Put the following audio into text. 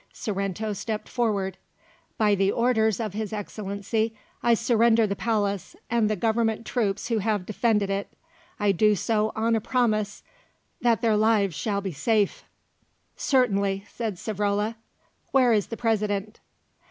Sorrento stepped forward. "By the orders of His Excellency I surrender the palace and the Government troops who have defended it. I do so on a promise that their lives shall be safe." "Certainly," said Savrola. "Where is the President?"